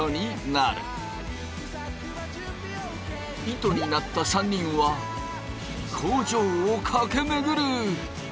糸になった３人は工場を駆け巡る！